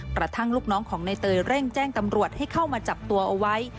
กระทั่งลูกน้องของในเตยเร่งแจ้งตำรวจให้เข้ามาจับตัวเอาไว้